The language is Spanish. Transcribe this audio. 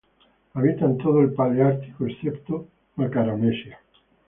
Habita en todo el paleártico, excepto Macaronesia.